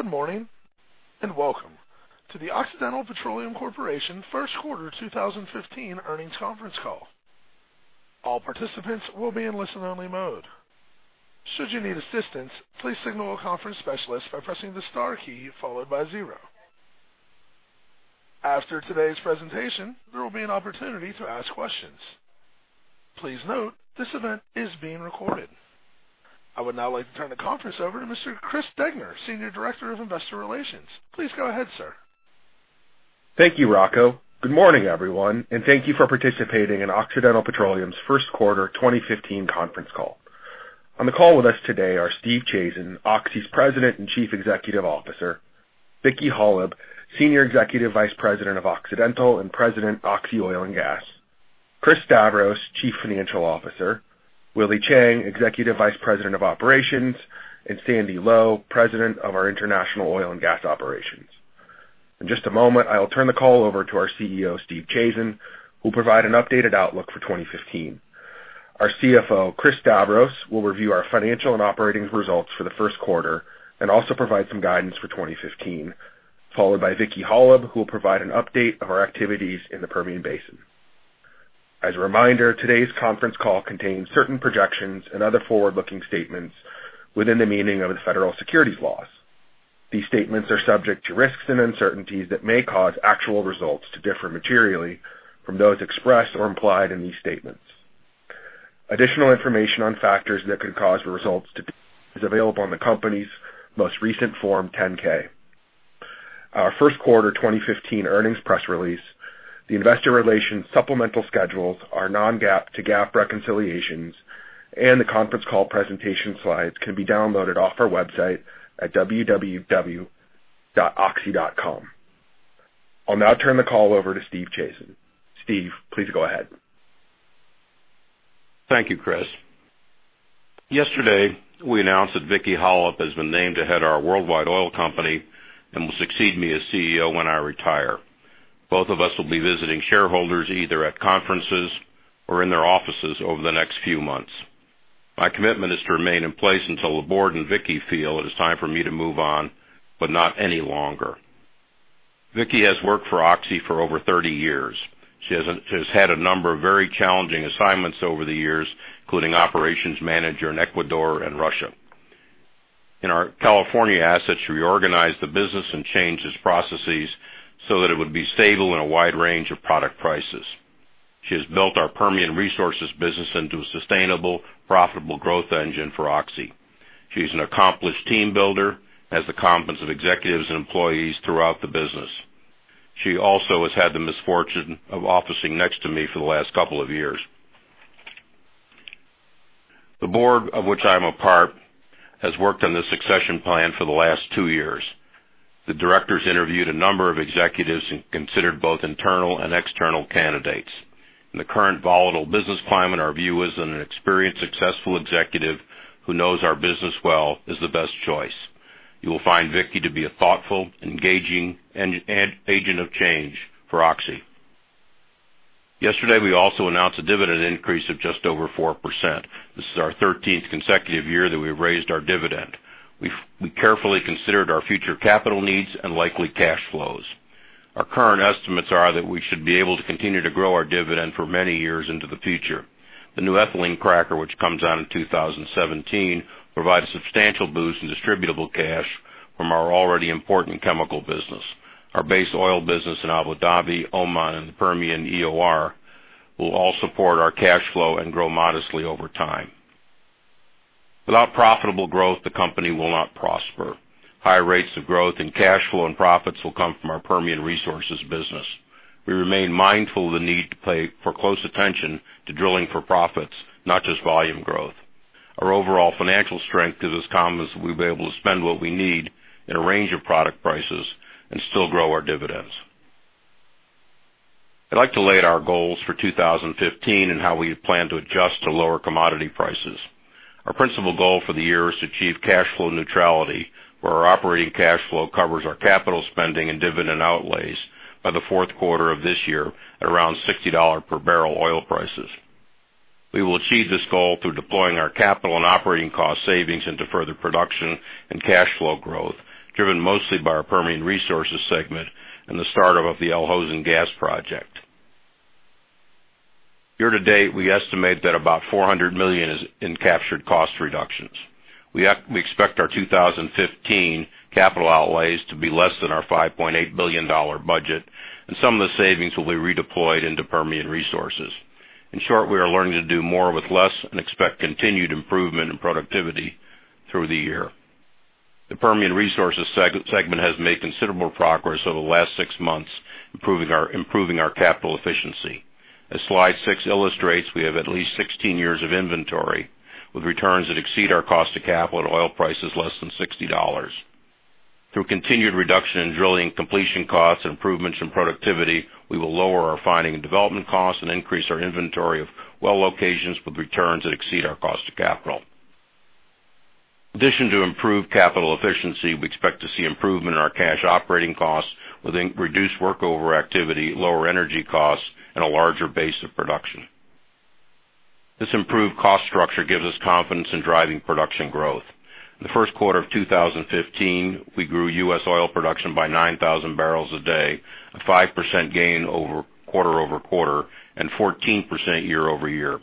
Good morning, and welcome to the Occidental Petroleum Corporation First Quarter 2015 earnings conference call. All participants will be in listen-only mode. Should you need assistance, please signal a conference specialist by pressing the star key followed by zero. After today's presentation, there will be an opportunity to ask questions. Please note this event is being recorded. I would now like to turn the conference over to Mr. Chris Degner, Senior Director of Investor Relations. Please go ahead, sir. Thank you, Rocco. Good morning, everyone, thank you for participating in Occidental Petroleum's First Quarter 2015 conference call. On the call with us today are Steve Chazen, Oxy's President and Chief Executive Officer, Vicki Hollub, Senior Executive Vice President of Occidental and President, Oxy Oil and Gas, Chris Stavros, Chief Financial Officer, Willie Chiang, Executive Vice President of Operations, and Sandy Lowe, President of our International Oil and Gas Operations. In just a moment, I will turn the call over to our CEO, Steve Chazen, who will provide an updated outlook for 2015. Our CFO, Chris Stavros, will review our financial and operating results for the first quarter and also provide some guidance for 2015, followed by Vicki Hollub, who will provide an update of our activities in the Permian Basin. As a reminder, today's conference call contains certain projections and other forward-looking statements within the meaning of the federal securities laws. These statements are subject to risks and uncertainties that may cause actual results to differ materially from those expressed or implied in these statements. Additional information on factors that could cause the results to is available on the company's most recent Form 10-K. Our first quarter 2015 earnings press release, the investor relations supplemental schedules, our non-GAAP to GAAP reconciliations, and the conference call presentation slides can be downloaded off our website at www.oxy.com. I'll now turn the call over to Steve Chazen. Steve, please go ahead. Thank you, Chris. Yesterday, we announced that Vicki Hollub has been named to head our worldwide oil company and will succeed me as CEO when I retire. Both of us will be visiting shareholders either at conferences or in their offices over the next few months. My commitment is to remain in place until the board and Vicki feel it is time for me to move on, but not any longer. Vicki has worked for Oxy for over 30 years. She has had a number of very challenging assignments over the years, including operations manager in Ecuador and Russia. In our California assets, she reorganized the business and changes processes so that it would be stable in a wide range of product prices. She has built our Permian Resources business into a sustainable, profitable growth engine for Oxy. She's an accomplished team builder, has the confidence of executives and employees throughout the business. She also has had the misfortune of officing next to me for the last couple of years. The board, of which I am a part, has worked on this succession plan for the last two years. The directors interviewed a number of executives and considered both internal and external candidates. In the current volatile business climate, our view is an experienced, successful executive who knows our business well is the best choice. You will find Vicki to be a thoughtful, engaging, and agent of change for Oxy. Yesterday, we also announced a dividend increase of just over 4%. This is our 13th consecutive year that we've raised our dividend. We carefully considered our future capital needs and likely cash flows. Our current estimates are that we should be able to continue to grow our dividend for many years into the future. The new ethylene cracker, which comes out in 2017, provides a substantial boost in distributable cash from our already important chemical business. Our base oil business in Abu Dhabi, Oman, and the Permian EOR will all support our cash flow and grow modestly over time. Without profitable growth, the company will not prosper. High rates of growth and cash flow and profits will come from our Permian Resources business. We remain mindful of the need to pay close attention to drilling for profits, not just volume growth. Our overall financial strength gives us confidence that we'll be able to spend what we need in a range of product prices and still grow our dividends. I'd like to lay out our goals for 2015 and how we plan to adjust to lower commodity prices. Our principal goal for the year is to achieve cash flow neutrality, where our operating cash flow covers our capital spending and dividend outlays by the fourth quarter of this year at around $60 per barrel oil prices. We will achieve this goal through deploying our capital and operating cost savings into further production and cash flow growth, driven mostly by our Permian Resources segment and the startup of the Al Hosn Gas project. Year to date, we estimate that about $400 million is in captured cost reductions. We expect our 2015 capital outlays to be less than our $5.8 billion budget, and some of the savings will be redeployed into Permian Resources. In short, we are learning to do more with less and expect continued improvement in productivity through the year. The Permian Resources segment has made considerable progress over the last six months, improving our capital efficiency. As slide six illustrates, we have at least 16 years of inventory with returns that exceed our cost of capital at oil prices less than $60. Through continued reduction in drilling completion costs and improvements in productivity, we will lower our finding and development costs and increase our inventory of well locations with returns that exceed our cost of capital. In addition to improved capital efficiency, we expect to see improvement in our cash operating costs with reduced workover activity, lower energy costs, and a larger base of production. This improved cost structure gives us confidence in driving production growth. In the first quarter of 2015, we grew U.S. oil production by 9,000 barrels a day, a 5% gain quarter-over-quarter and 14% year-over-year.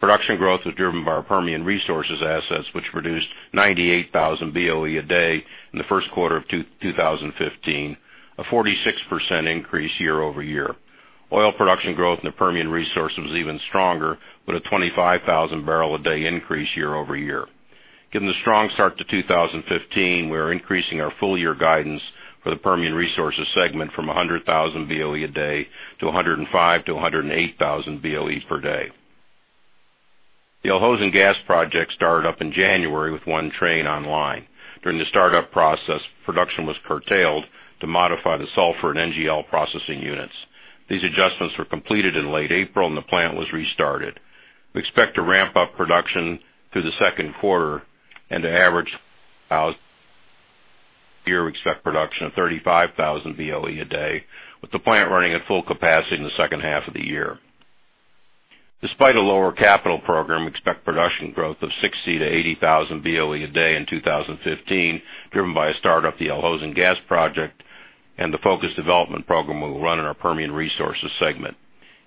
Production growth was driven by our Permian Resources assets, which produced 98,000 BOE a day in the first quarter of 2015, a 46% increase year-over-year. Oil production growth in the Permian Resources was even stronger, with a 25,000 barrel a day increase year-over-year. Given the strong start to 2015, we are increasing our full year guidance for the Permian Resources segment from 100,000 BOE a day to 105,000-108,000 BOEs per day. The Al Hosn Gas project started up in January with one train online. During the startup process, production was curtailed to modify the sulfur and NGL processing units. These adjustments were completed in late April and the plant was restarted. We expect to ramp up production through the second quarter and to average out here, we expect production of 35,000 BOE a day, with the plant running at full capacity in the second half of the year. Despite a lower capital program, we expect production growth of 60,000-80,000 BOE a day in 2015, driven by a startup of the Al Hosn Gas project and the focused development program we will run in our Permian Resources segment.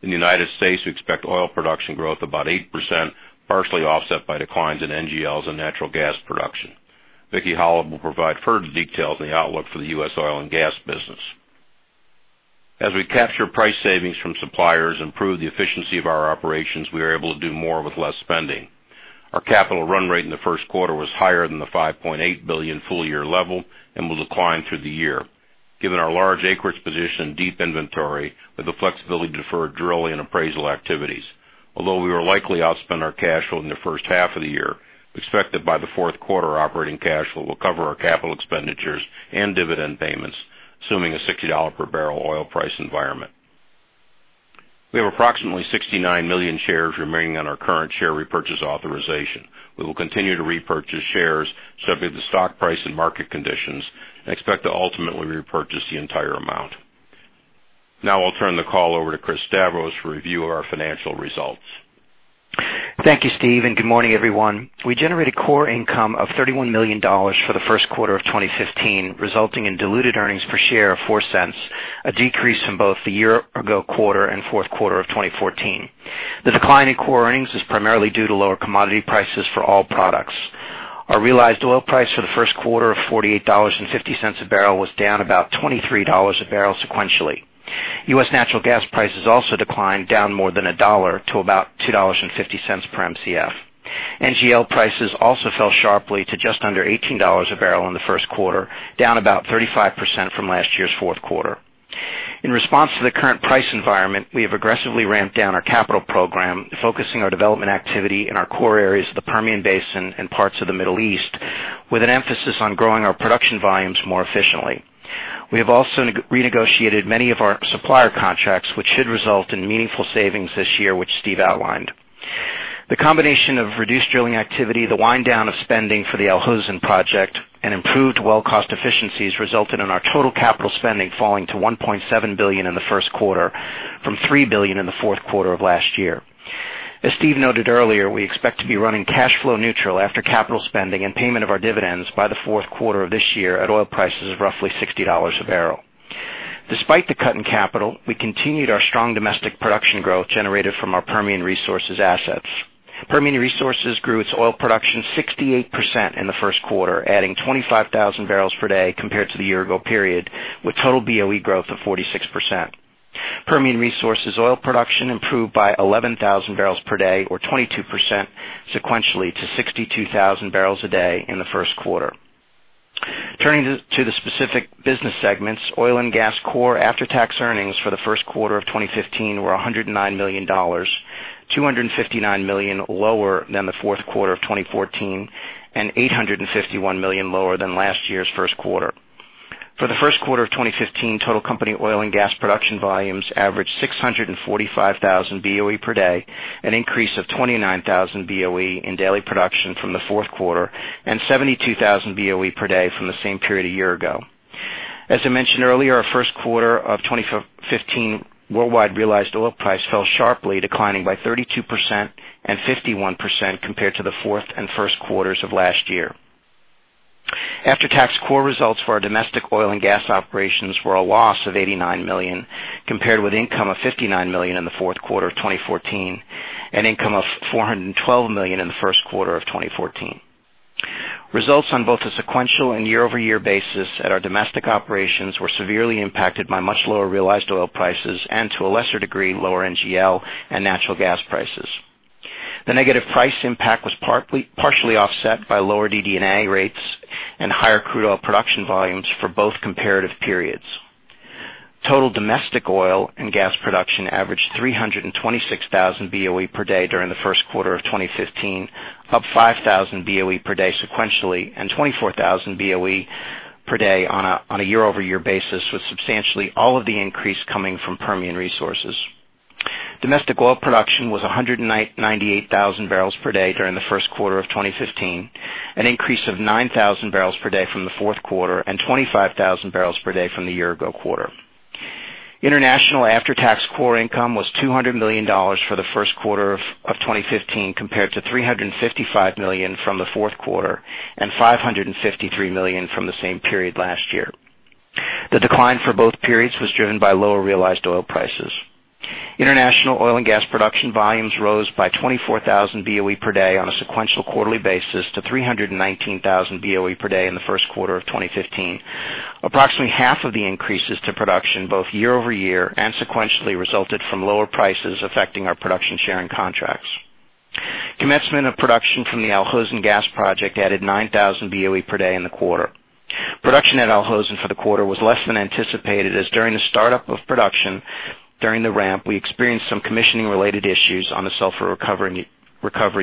In the U.S., we expect oil production growth about 8%, partially offset by declines in NGLs and natural gas production. Vicki Hollub will provide further details on the outlook for the U.S. oil and gas business. As we capture price savings from suppliers, improve the efficiency of our operations, we are able to do more with less spending. Our capital run rate in the first quarter was higher than the $5.8 billion full year level and will decline through the year. Given our large acreage position and deep inventory with the flexibility to defer drilling and appraisal activities. Although we will likely outspend our cash flow in the first half of the year, we expect that by the fourth quarter, operating cash flow will cover our capital expenditures and dividend payments, assuming a $60 per barrel oil price environment. We have approximately 69 million shares remaining on our current share repurchase authorization. We will continue to repurchase shares subject to stock price and market conditions and expect to ultimately repurchase the entire amount. I'll turn the call over to Chris Stavros to review our financial results. Thank you, Steve, and good morning, everyone. We generated core income of $31 million for the first quarter of 2015, resulting in diluted earnings per share of $0.04, a decrease from both the year ago quarter and fourth quarter of 2014. The decline in core earnings is primarily due to lower commodity prices for all products. Our realized oil price for the first quarter of $48.50 a barrel was down about $23 a barrel sequentially. U.S. natural gas prices also declined, down more than $1.00 to about $2.50 per Mcf. NGL prices also fell sharply to just under $18 a barrel in the first quarter, down about 35% from last year's fourth quarter. In response to the current price environment, we have aggressively ramped down our capital program, focusing our development activity in our core areas of the Permian Basin and parts of the Middle East, with an emphasis on growing our production volumes more efficiently. We have also renegotiated many of our supplier contracts, which should result in meaningful savings this year, which Steve outlined. The combination of reduced drilling activity, the wind down of spending for the Al Hosn project, and improved well cost efficiencies resulted in our total capital spending falling to $1.7 billion in the first quarter from $3 billion in the fourth quarter of last year. As Steve noted earlier, we expect to be running cash flow neutral after capital spending and payment of our dividends by the fourth quarter of this year at oil prices of roughly $60 a barrel. Despite the cut in capital, we continued our strong domestic production growth generated from our Permian Resources assets. Permian Resources grew its oil production 68% in the first quarter, adding 25,000 barrels per day compared to the year-ago period, with total BOE growth of 46%. Permian Resources oil production improved by 11,000 barrels per day or 22% sequentially to 62,000 barrels a day in the first quarter. Turning to the specific business segments, oil and gas core after-tax earnings for the first quarter of 2015 were $109 million, $259 million lower than the fourth quarter of 2014 and $851 million lower than last year's first quarter. For the first quarter of 2015, total company oil and gas production volumes averaged 645,000 BOE per day, an increase of 29,000 BOE in daily production from the fourth quarter and 72,000 BOE per day from the same period a year-ago. As I mentioned earlier, our first quarter of 2015 worldwide realized oil price fell sharply, declining by 32% and 51% compared to the fourth and first quarters of last year. After-tax core results for our domestic oil and gas operations were a loss of $89 million, compared with income of $59 million in the fourth quarter of 2014 and income of $412 million in the first quarter of 2014. Results on both a sequential and year-over-year basis at our domestic operations were severely impacted by much lower realized oil prices and, to a lesser degree, lower NGL and natural gas prices. The negative price impact was partially offset by lower DD&A rates and higher crude oil production volumes for both comparative periods. Total domestic oil and gas production averaged 326,000 BOE per day during the first quarter of 2015, up 5,000 BOE per day sequentially and 24,000 BOE per day on a year-over-year basis, with substantially all of the increase coming from Permian Resources. Domestic oil production was 198,000 barrels per day during the first quarter of 2015, an increase of 9,000 barrels per day from the fourth quarter and 25,000 barrels per day from the year-ago quarter. International after-tax core income was $200 million for the first quarter of 2015, compared to $355 million from the fourth quarter and $553 million from the same period last year. The decline for both periods was driven by lower realized oil prices. International oil and gas production volumes rose by 24,000 BOE per day on a sequential quarterly basis to 319,000 BOE per day in the first quarter of 2015. Approximately half of the increases to production, both year-over-year and sequentially, resulted from lower prices affecting our production sharing contracts. Commencement of production from the Al Hosn Gas project added 9,000 BOE per day in the quarter. Production at Al Hosn for the quarter was less than anticipated as during the startup of production, during the ramp, we experienced some commissioning related issues on the sulfur recovery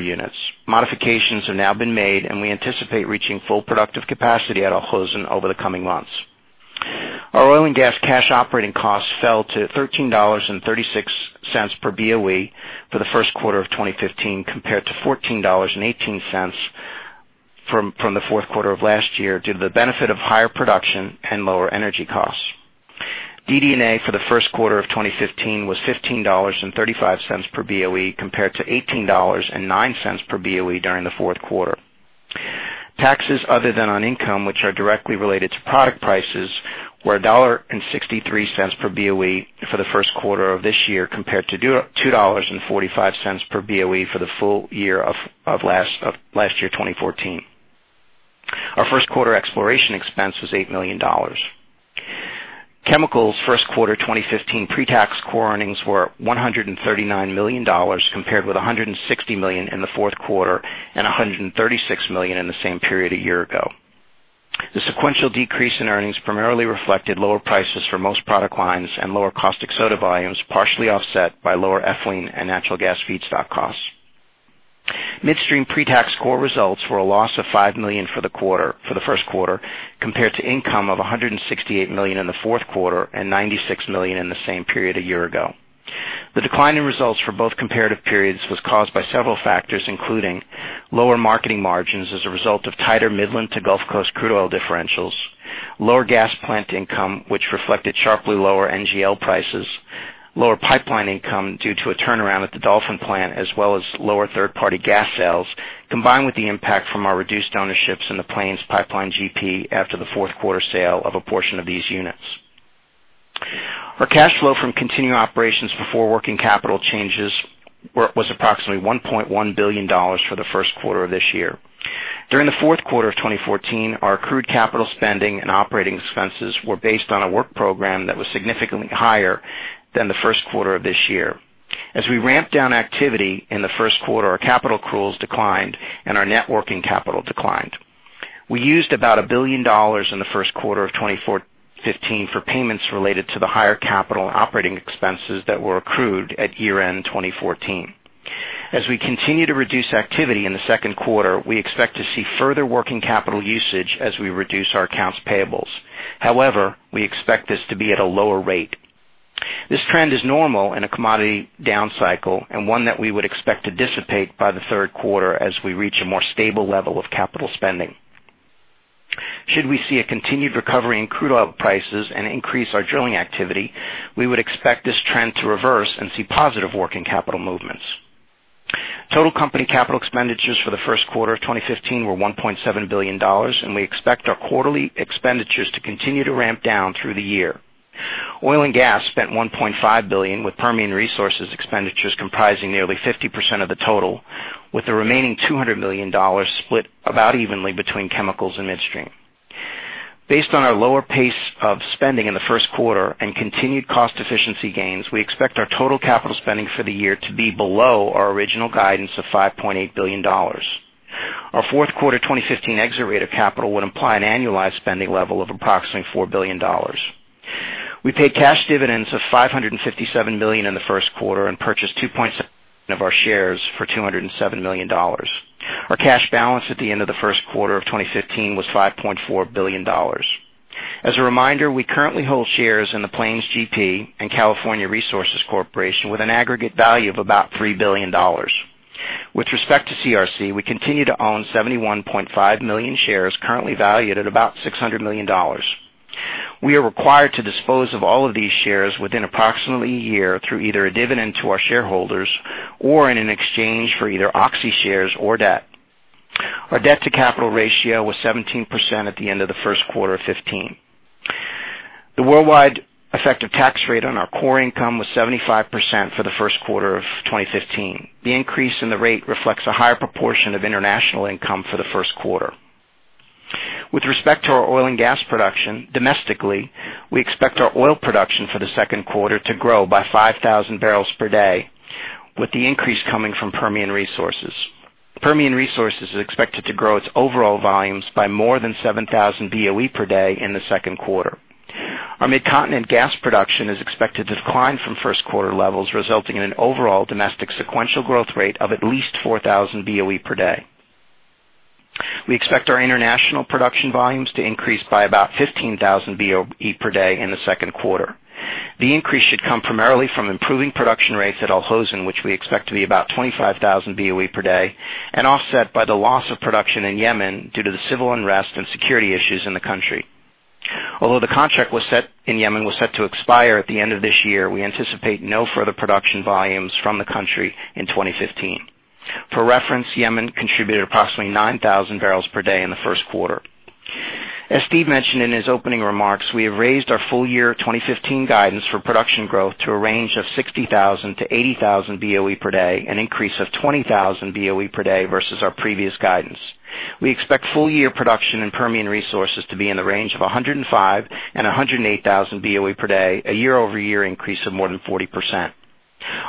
units. Modifications have now been made, and we anticipate reaching full productive capacity at Al Hosn over the coming months. Our oil and gas cash operating costs fell to $13.36 per BOE for the first quarter of 2015, compared to $14.18 from the fourth quarter of 2014, due to the benefit of higher production and lower energy costs. DD&A for the first quarter of 2015 was $15.35 per BOE, compared to $18.09 per BOE during the fourth quarter. Taxes other than on income, which are directly related to product prices, were $1.63 per BOE for the first quarter of 2015, compared to $2.45 per BOE for the full year of 2014. Our first quarter exploration expense was $8 million. Chemicals first quarter 2015 pre-tax core earnings were $139 million, compared with $160 million in the fourth quarter and $136 million in the same period a year ago. The sequential decrease in earnings primarily reflected lower prices for most product lines and lower caustic soda volumes, partially offset by lower ethylene and natural gas feedstock costs. Midstream pre-tax core results were a loss of $5 million for the first quarter, compared to income of $168 million in the fourth quarter and $96 million in the same period a year ago. The decline in results for both comparative periods was caused by several factors, including lower marketing margins as a result of tighter Midland to Gulf Coast crude oil differentials, lower gas plant income, which reflected sharply lower NGL prices, lower pipeline income due to a turnaround at the Dolphin plant, as well as lower third-party gas sales, combined with the impact from our reduced ownership in the Plains GP Holdings after the fourth quarter sale of a portion of these units. Our cash flow from continuing operations before working capital changes was approximately $1.1 billion for the first quarter of 2015. During the fourth quarter of 2014, our accrued capital spending and operating expenses were based on a work program that was significantly higher than the first quarter of 2015. As we ramped down activity in the first quarter, our capital accruals declined and our net working capital declined. We used about $1 billion in the first quarter of 2015 for payments related to the higher capital operating expenses that were accrued at year-end 2014. As we continue to reduce activity in the second quarter, we expect to see further working capital usage as we reduce our accounts payables. However, we expect this to be at a lower rate. This trend is normal in a commodity down cycle and one that we would expect to dissipate by the third quarter as we reach a more stable level of capital spending. Should we see a continued recovery in crude oil prices and increase our drilling activity, we would expect this trend to reverse and see positive working capital movements. Total company capital expenditures for the first quarter of 2015 were $1.7 billion. We expect our quarterly expenditures to continue to ramp down through the year. Oil and gas spent $1.5 billion with Permian Resources expenditures comprising nearly 50% of the total, with the remaining $200 million split about evenly between chemicals and midstream. Based on our lower pace of spending in the first quarter and continued cost efficiency gains, we expect our total capital spending for the year to be below our original guidance of $5.8 billion. Our fourth quarter 2015 exit rate of capital would imply an annualized spending level of approximately $4 billion. We paid cash dividends of $557 million in the first quarter and purchased 2.7 million of our shares for $207 million. Our cash balance at the end of the first quarter of 2015 was $5.4 billion. As a reminder, we currently hold shares in the Plains GP and California Resources Corporation with an aggregate value of about $3 billion. With respect to CRC, we continue to own 71.5 million shares currently valued at about $600 million. We are required to dispose of all of these shares within approximately a year through either a dividend to our shareholders or in an exchange for either Oxy shares or debt. Our debt to capital ratio was 17% at the end of the first quarter of 2015. The worldwide effective tax rate on our core income was 75% for the first quarter of 2015. The increase in the rate reflects a higher proportion of international income for the first quarter. With respect to our oil and gas production, domestically, we expect our oil production for the second quarter to grow by 5,000 barrels per day, with the increase coming from Permian Resources. Permian Resources is expected to grow its overall volumes by more than 7,000 BOE per day in the second quarter. Our Midcontinent gas production is expected to decline from first quarter levels, resulting in an overall domestic sequential growth rate of at least 4,000 BOE per day. We expect our international production volumes to increase by about 15,000 BOE per day in the second quarter. The increase should come primarily from improving production rates at Al Hosn, which we expect to be about 25,000 BOE per day. Offset by the loss of production in Yemen due to the civil unrest and security issues in the country. Although the contract in Yemen was set to expire at the end of this year, we anticipate no further production volumes from the country in 2015. For reference, Yemen contributed approximately 9,000 barrels per day in the first quarter. As Steve mentioned in his opening remarks, we have raised our full year 2015 guidance for production growth to a range of 60,000-80,000 BOE per day, an increase of 20,000 BOE per day versus our previous guidance. We expect full year production in Permian Resources to be in the range of 105,000-108,000 BOE per day, a year-over-year increase of more than 40%.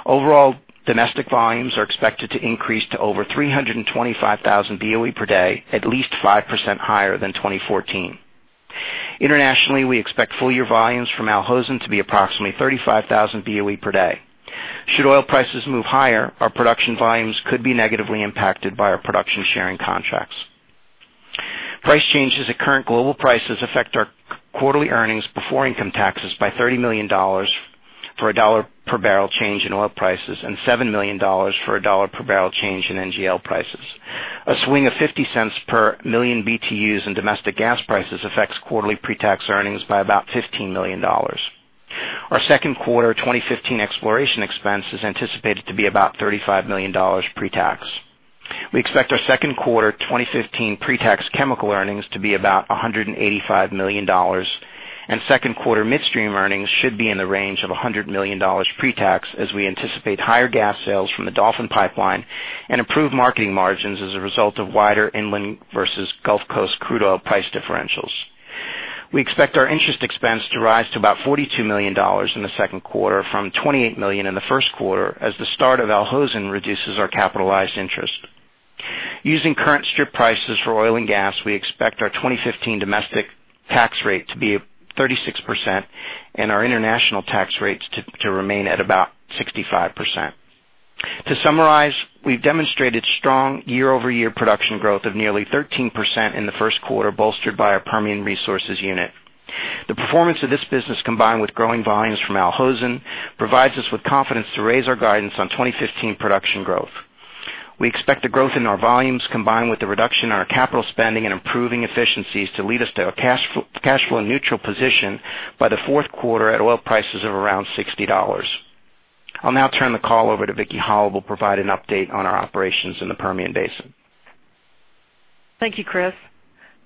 Overall, domestic volumes are expected to increase to over 325,000 BOE per day, at least 5% higher than 2014. Internationally, we expect full year volumes from Al Hosn to be approximately 35,000 BOE per day. Should oil prices move higher, our production volumes could be negatively impacted by our production sharing contracts. Price changes at current global prices affect our quarterly earnings before income taxes by $30 million for a dollar per barrel change in oil prices, and $7 million for a dollar per barrel change in NGL prices. A swing of $0.50 per million BTUs in domestic gas prices affects quarterly pre-tax earnings by about $15 million. Our second quarter 2015 exploration expense is anticipated to be about $35 million pre-tax. We expect our second quarter 2015 pre-tax chemical earnings to be about $185 million, and second quarter midstream earnings should be in the range of $100 million pre-tax, as we anticipate higher gas sales from the Dolphin pipeline and improved marketing margins as a result of wider inland versus Gulf Coast crude oil price differentials. We expect our interest expense to rise to about $42 million in the second quarter from $28 million in the first quarter, as the start of Al Hosn reduces our capitalized interest. Using current strip prices for oil and gas, we expect our 2015 domestic tax rate to be 36% and our international tax rates to remain at about 65%. To summarize, we've demonstrated strong year-over-year production growth of nearly 13% in the first quarter, bolstered by our Permian Resources unit. The performance of this business, combined with growing volumes from Al Hosn, provides us with confidence to raise our guidance on 2015 production growth. We expect the growth in our volumes, combined with the reduction in our capital spending and improving efficiencies to lead us to a cash flow neutral position by the fourth quarter at oil prices of around $60. I'll now turn the call over to Vicki Hollub, who will provide an update on our operations in the Permian Basin. Thank you, Chris.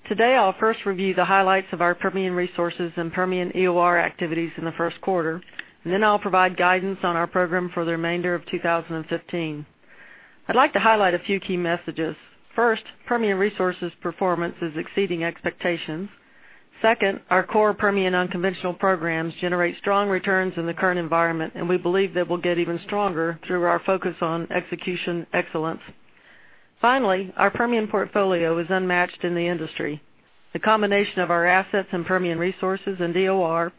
Today, I'll first review the highlights of our Permian Resources and Permian EOR activities in the first quarter. Then I'll provide guidance on our program for the remainder of 2015. I'd like to highlight a few key messages. First, Permian Resources performance is exceeding expectations. Second, our core Permian unconventional programs generate strong returns in the current environment, and we believe they will get even stronger through our focus on execution excellence. Finally, our Permian portfolio is unmatched in the industry. The combination of our assets in Permian Resources and EOR,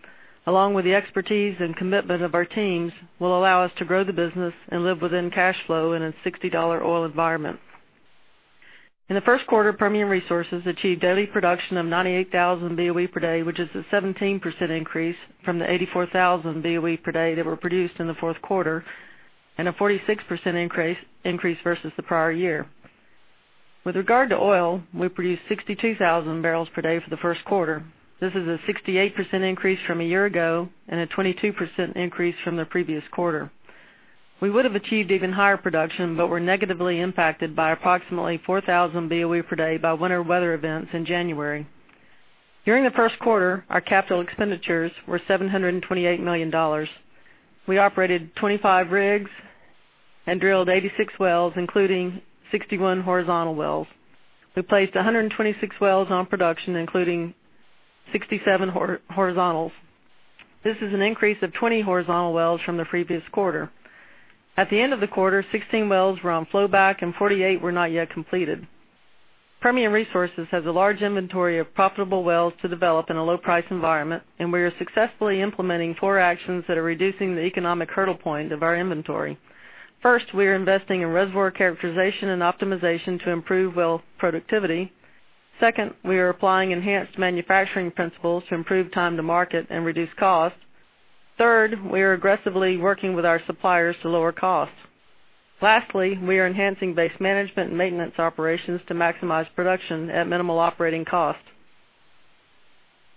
along with the expertise and commitment of our teams, will allow us to grow the business and live within cash flow in a $60 oil environment. In the first quarter, Permian Resources achieved daily production of 98,000 BOE per day, which is a 17% increase from the 84,000 BOE per day that were produced in the fourth quarter, a 46% increase versus the prior year. With regard to oil, we produced 62,000 barrels per day for the first quarter. This is a 68% increase from a year ago and a 22% increase from the previous quarter. We would have achieved even higher production, but were negatively impacted by approximately 4,000 BOE per day by winter weather events in January. During the first quarter, our capital expenditures were $728 million. We operated 25 rigs and drilled 86 wells, including 61 horizontal wells. We placed 126 wells on production, including 67 horizontals. This is an increase of 20 horizontal wells from the previous quarter. At the end of the quarter, 16 wells were on flowback and 48 were not yet completed. Permian Resources has a large inventory of profitable wells to develop in a low price environment. We are successfully implementing four actions that are reducing the economic hurdle point of our inventory. First, we are investing in reservoir characterization and optimization to improve well productivity. Second, we are applying enhanced manufacturing principles to improve time to market and reduce cost. Third, we are aggressively working with our suppliers to lower costs. Lastly, we are enhancing base management and maintenance operations to maximize production at minimal operating costs.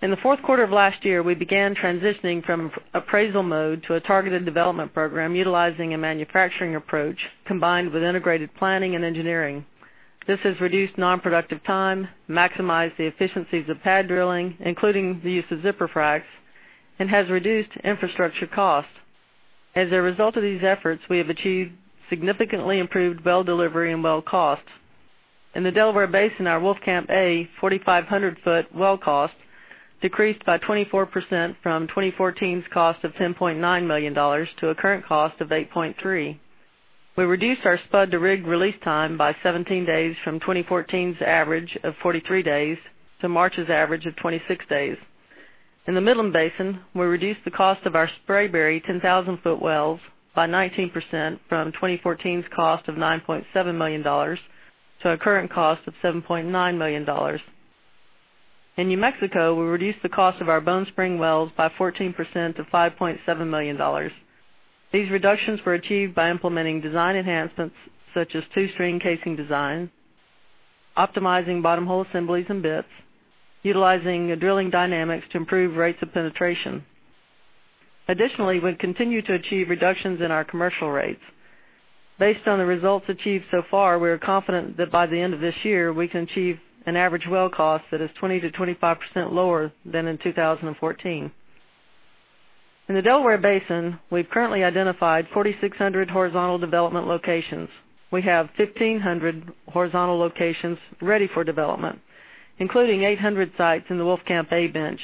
In the fourth quarter of last year, we began transitioning from appraisal mode to a targeted development program utilizing a manufacturing approach combined with integrated planning and engineering. This has reduced non-productive time, maximized the efficiencies of pad drilling, including the use of zipper fracs, reduced infrastructure costs. As a result of these efforts, we have achieved significantly improved well delivery and well costs. In the Delaware Basin, our Wolfcamp A 4,500 foot well cost decreased by 24% from 2014's cost of $10.9 million to a current cost of $8.3 million. We reduced our spud to rig release time by 17 days from 2014's average of 43 days to March's average of 26 days. In the Midland Basin, we reduced the cost of our Spraberry 10,000 foot wells by 19% from 2014's cost of $9.7 million to a current cost of $7.9 million. In New Mexico, we reduced the cost of our Bone Spring wells by 14% to $5.7 million. These reductions were achieved by implementing design enhancements such as two-string casing design Optimizing bottom hole assemblies and bits, utilizing drilling dynamics to improve rates of penetration. Additionally, we've continued to achieve reductions in our commercial rates. Based on the results achieved so far, we are confident that by the end of this year, we can achieve an average well cost that is 20%-25% lower than in 2014. In the Delaware Basin, we've currently identified 4,600 horizontal development locations. We have 1,500 horizontal locations ready for development, including 800 sites in the Wolfcamp A bench.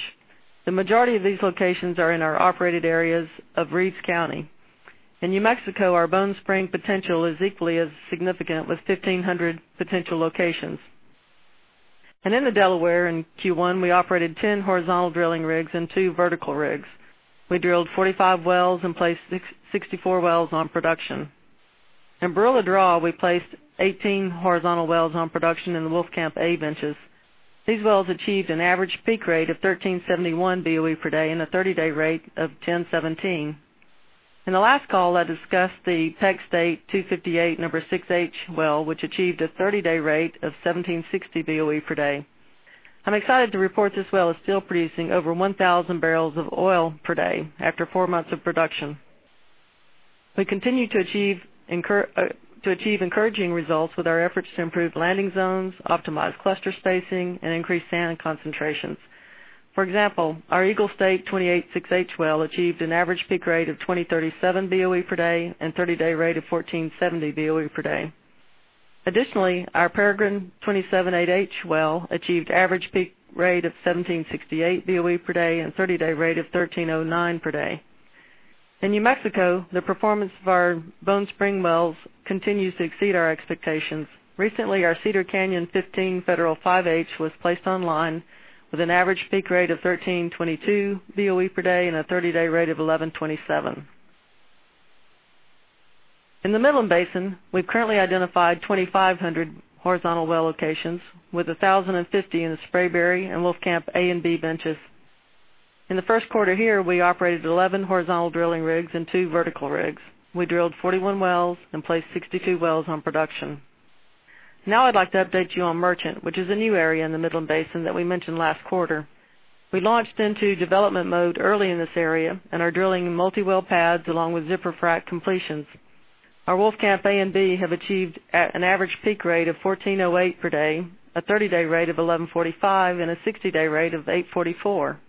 The majority of these locations are in our operated areas of Reeves County. In New Mexico, our Bone Spring potential is equally as significant, with 1,500 potential locations. In the Delaware, in Q1, we operated 10 horizontal drilling rigs and two vertical rigs. We drilled 45 wells and placed 64 wells on production. In Barilla Draw, we placed 18 horizontal wells on production in the Wolfcamp A benches. These wells achieved an average peak rate of 1,371 BOE per day and a 30-day rate of 1,017. In the last call, I discussed the Peck State 258 number 6H well, which achieved a 30-day rate of 1,760 BOE per day. I'm excited to report this well is still producing over 1,000 barrels of oil per day after four months of production. We continue to achieve encouraging results with our efforts to improve landing zones, optimize cluster spacing, and increase sand concentrations. For example, our Eagle State 28-6H well achieved an average peak rate of 2,037 BOE per day and 30-day rate of 1,470 BOE per day. Our Peregrine 27-8H well achieved average peak rate of 1,768 BOE per day and 30-day rate of 1,309 per day. In New Mexico, the performance of our Bone Spring wells continues to exceed our expectations. Recently, our Cedar Canyon 15 Federal 5H was placed online with an average peak rate of 1,322 BOE per day and a 30-day rate of 1,127. In the Midland Basin, we've currently identified 2,500 horizontal well locations, with 1,050 in the Spraberry and Wolfcamp A and B benches. In the first quarter here, we operated 11 horizontal drilling rigs and two vertical rigs. We drilled 41 wells and placed 62 wells on production. I'd like to update you on Merchant, which is a new area in the Midland Basin that we mentioned last quarter. We launched into development mode early in this area and are drilling multi-well pads along with zipper frac completions. Our Wolfcamp A and B have achieved an average peak rate of 1,408 per day, a 30-day rate of 1,145, and a 60-day rate of 844.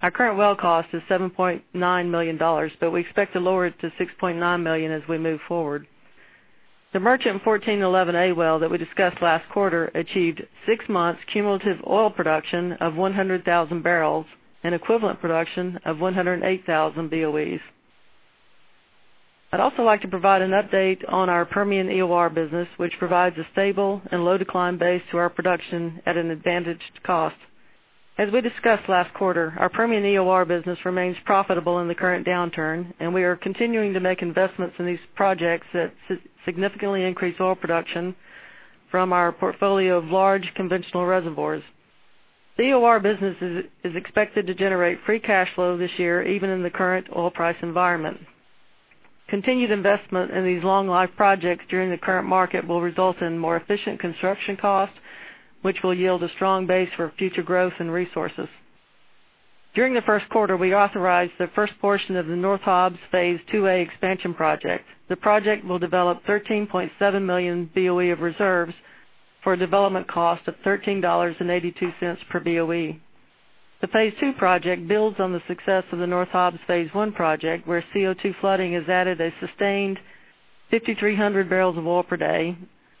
Our current well cost is $7.9 million, but we expect to lower it to $6.9 million as we move forward. The Merchant 14-11A well that we discussed last quarter achieved six months cumulative oil production of 100,000 barrels and equivalent production of 108,000 BOEs. I'd also like to provide an update on our Permian EOR business, which provides a stable and low decline base to our production at an advantaged cost. As we discussed last quarter, our Permian EOR business remains profitable in the current downturn, and we are continuing to make investments in these projects that significantly increase oil production from our portfolio of large conventional reservoirs. The EOR business is expected to generate free cash flow this year, even in the current oil price environment. Continued investment in these long-life projects during the current market will result in more efficient construction costs, which will yield a strong base for future growth and resources. During the first quarter, we authorized the first portion of the North Hobbs Phase 2A expansion project. The project will develop 13.7 million BOE of reserves for a development cost of $13.82 per BOE. The Phase 2 project builds on the success of the North Hobbs Phase 1 project, where CO2 flooding has added a sustained 5,300 barrels of oil per day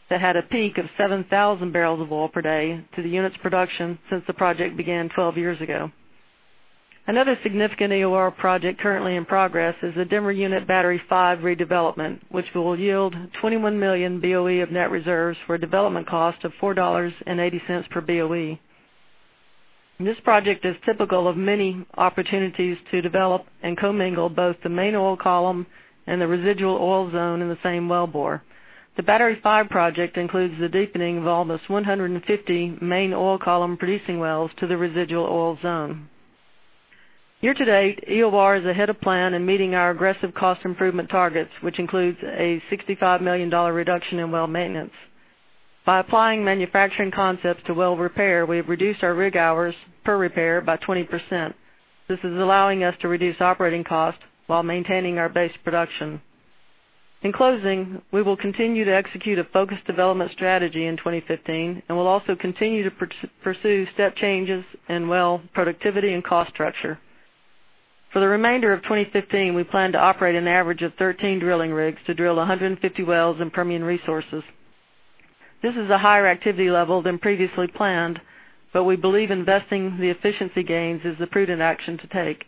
that had a peak of 7,000 barrels of oil per day to the unit's production since the project began 12 years ago. Another significant EOR project currently in progress is the Denver Unit Battery 5 redevelopment, which will yield 21 million BOE of net reserves for a development cost of $4.80 per BOE. This project is typical of many opportunities to develop and commingle both the main oil column and the residual oil zone in the same wellbore. The Battery 5 project includes the deepening of almost 150 main oil column producing wells to the residual oil zone. Year to date, EOR is ahead of plan in meeting our aggressive cost improvement targets, which includes a $65 million reduction in well maintenance. By applying manufacturing concepts to well repair, we have reduced our rig hours per repair by 20%. This is allowing us to reduce operating costs while maintaining our base production. In closing, we will continue to execute a focused development strategy in 2015 and will also continue to pursue step changes in well productivity and cost structure. For the remainder of 2015, we plan to operate an average of 13 drilling rigs to drill 150 wells in Permian Resources. This is a higher activity level than previously planned, but we believe investing the efficiency gains is the prudent action to take.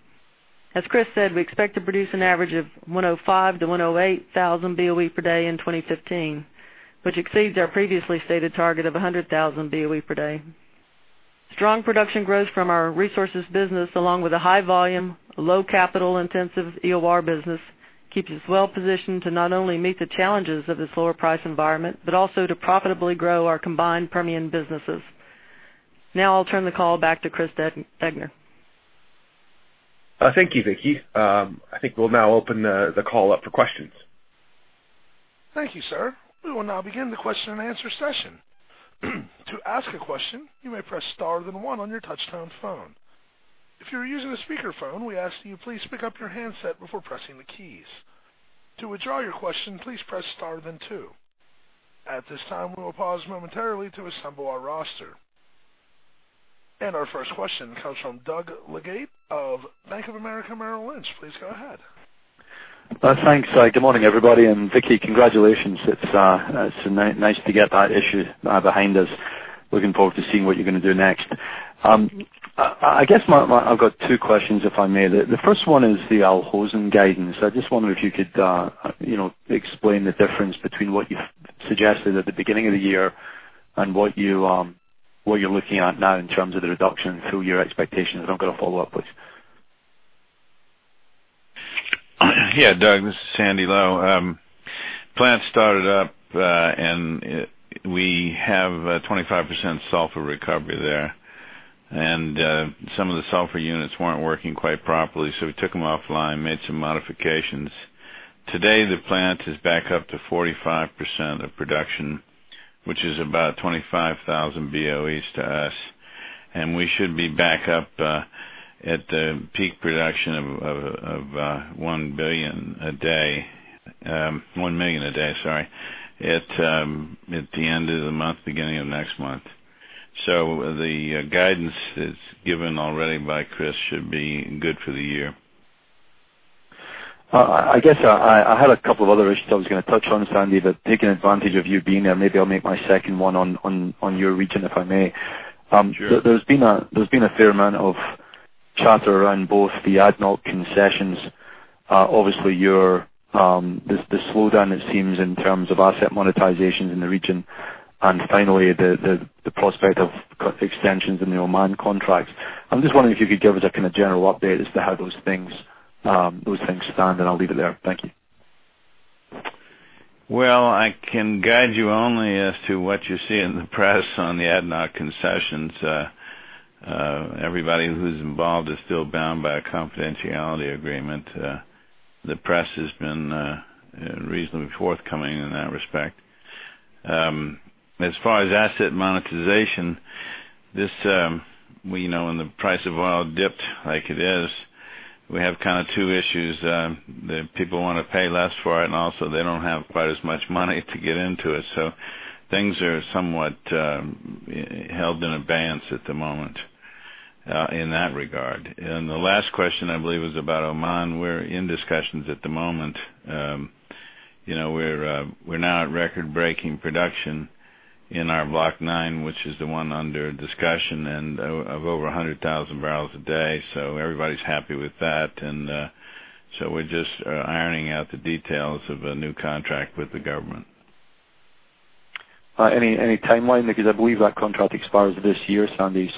As Chris said, we expect to produce an average of 105,000-108,000 BOE per day in 2015, which exceeds our previously stated target of 100,000 BOE per day. Strong production growth from our resources business, along with a high volume, low capital intensive EOR business, keeps us well positioned to not only meet the challenges of this lower price environment, but also to profitably grow our combined Permian businesses. I'll turn the call back to Chris Degner. Thank you, Vicki. I think we'll now open the call up for questions. Thank you, sir. We will now begin the question and answer session. To ask a question, you may press star then one on your touchtone phone. If you're using a speakerphone, we ask that you please pick up your handset before pressing the keys. To withdraw your question, please press star then two. At this time, we will pause momentarily to assemble our roster. Our first question comes from Doug Leggate of Bank of America Merrill Lynch. Please go ahead. Thanks. Good morning, everybody. Vicki, congratulations. It's nice to get that issue behind us. Looking forward to seeing what you're going to do next. I guess I've got two questions, if I may. The first one is the Al Hosn guidance. I just wonder if you could explain the difference between what you suggested at the beginning of the year and what you're looking at now in terms of the reduction and your expectations. I've got a follow-up, please. Yeah. Doug, this is Sandy Lowe. Plant started up, we have 25% sulfur recovery there. Some of the sulfur units weren't working quite properly, so we took them offline, made some modifications. Today, the plant is back up to 45% of production, which is about 25,000 BOEs to us, we should be back up at the peak production of 1 million a day, at the end of the month, beginning of next month. The guidance that's given already by Chris should be good for the year. I guess I had a couple of other issues I was going to touch on, Sandy, taking advantage of you being there, maybe I'll make my second one on your region, if I may. Sure. There's been a fair amount of chatter around both the ADNOC concessions, obviously, the slowdown it seems in terms of asset monetizations in the region, finally, the prospect of extensions in the Oman contracts. I'm just wondering if you could give us a general update as to how those things stand, I'll leave it there. Thank you. Well, I can guide you only as to what you see in the press on the ADNOC concessions. Everybody who's involved is still bound by a confidentiality agreement. The press has been reasonably forthcoming in that respect. As far as asset monetization, when the price of oil dipped like it is, we have two issues. The people want to pay less for it, and also they don't have quite as much money to get into it. Things are somewhat held in abeyance at the moment in that regard. The last question, I believe, is about Oman. We're in discussions at the moment. We're now at record-breaking production in our Block 9, which is the one under discussion, of over 100,000 barrels a day. Everybody's happy with that. We're just ironing out the details of a new contract with the government. Any timeline? Because I believe that contract expires this year, Sandy.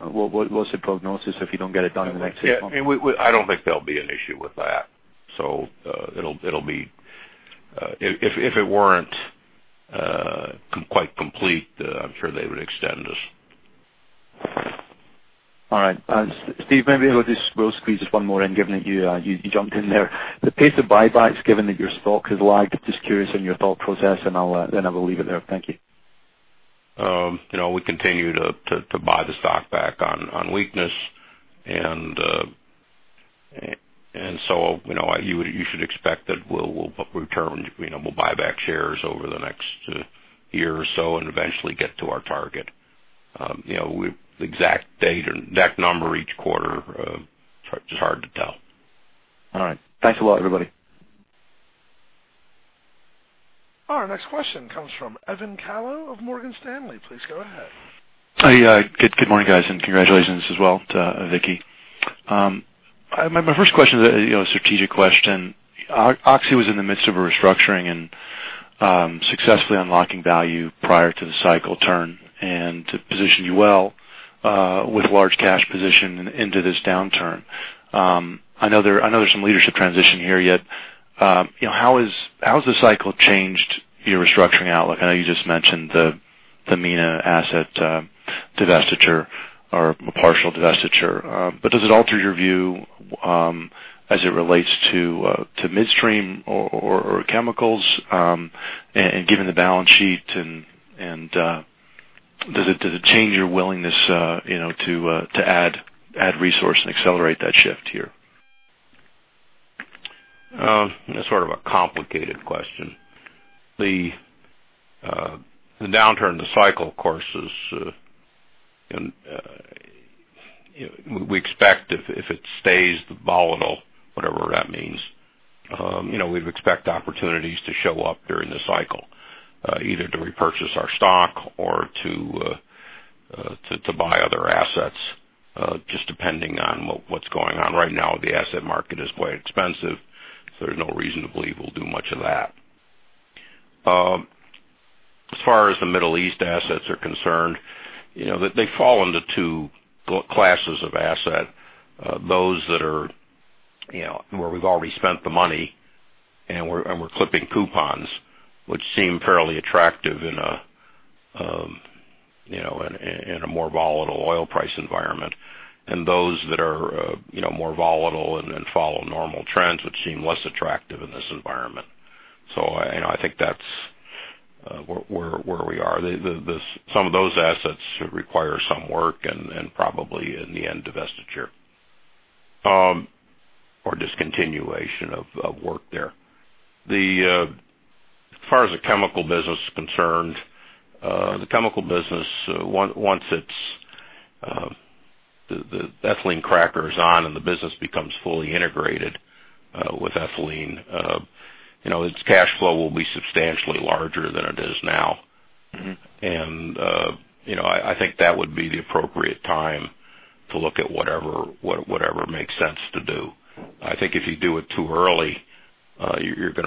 What's the prognosis if you don't get it done in the next six months? I don't think there'll be an issue with that. If it weren't quite complete, I'm sure they would extend us. All right. Steve, maybe we'll squeeze just one more in, given that you jumped in there. The pace of buybacks, given that your stock has lagged, just curious on your thought process. I will leave it there. Thank you. We continue to buy the stock back on weakness. You should expect that we'll buy back shares over the next year or so and eventually get to our target. Exact date or exact number each quarter, it's hard to tell. All right. Thanks a lot, everybody. Our next question comes from Evan Calio of Morgan Stanley. Please go ahead. Good morning, guys, and congratulations as well to Vicki. My first question is a strategic question. Oxy was in the midst of a restructuring and successfully unlocking value prior to the cycle turn and to position you well with large cash position into this downturn. I know there's some leadership transition here, yet how has the cycle changed your restructuring outlook? I know you just mentioned the MENA asset divestiture or partial divestiture. Does it alter your view as it relates to midstream or chemicals? Given the balance sheet, does it change your willingness to add resource and accelerate that shift here? That's sort of a complicated question. The downturn in the cycle, we expect if it stays volatile, whatever that means, we'd expect opportunities to show up during the cycle, either to repurchase our stock or to buy other assets, just depending on what's going on. Right now, the asset market is quite expensive, there's no reason to believe we'll do much of that. As far as the Middle East assets are concerned, they fall into two classes of asset. Those where we've already spent the money, we're clipping coupons, which seem fairly attractive in a more volatile oil price environment than those that are more volatile and follow normal trends, which seem less attractive in this environment. I think that's where we are. Some of those assets require some work and probably, in the end, divestiture or discontinuation of work there. As far as the chemical business is concerned, the chemical business, once the ethylene cracker is on and the business becomes fully integrated with ethylene, its cash flow will be substantially larger than it is now. I think that would be the appropriate time to look at whatever makes sense to do. I think if you do it too early, you're going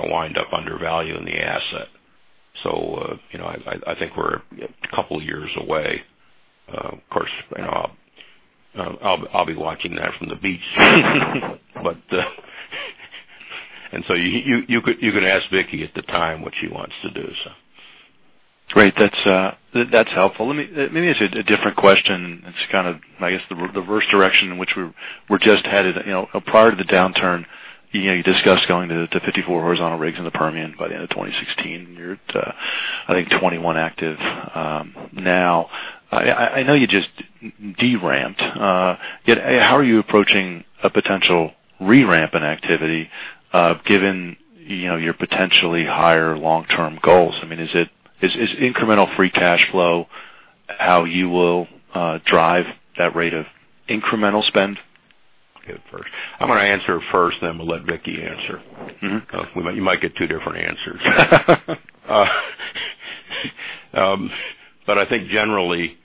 to wind up undervaluing the asset. I think we're a couple of years away. Of course, I'll be watching that from the beach. You can ask Vicki at the time what she wants to do. Great. That's helpful. Let me ask you a different question. It's the reverse direction in which we're just headed. Prior to the downturn, you discussed going to 54 horizontal rigs in the Permian by the end of 2016. You're at, I think, 21 active now. I know you just deramped. How are you approaching a potential re-ramp in activity, given your potentially higher long-term goals? Is incremental free cash flow how you will drive that rate of incremental spend? Okay. I'm going to answer first, then I'm going to let Vicki answer. You might get two different answers. I think generally,